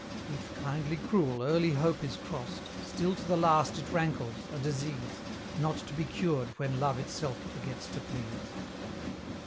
If, kindly cruel, early hope is crossed, Still to the last it rankles, a disease, Not to be cured when Love itself forgets to please.